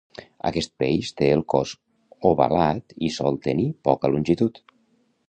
Aquest peix té el cos ovalat i sol tenir poca longitud